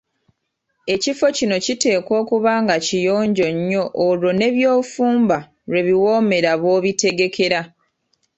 Ekifo kino kiteekwa okuba nga kiyonjo nnyo olwo ne byofumba lwe biwoomera b‘obitegekera.